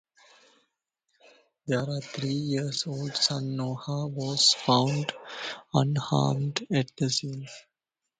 Their three-year-old son Noah was found unharmed at the scene.